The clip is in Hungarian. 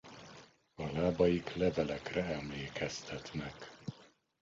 A lábaik levelekre emlékeztetnek.